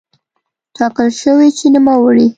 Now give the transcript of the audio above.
ټاکل شوې چې نوموړی